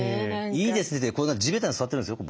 いいですねってこんな地べたに座ってるんですよ